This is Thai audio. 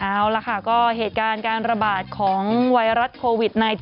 เอาล่ะค่ะก็เหตุการณ์การระบาดของไวรัสโควิด๑๙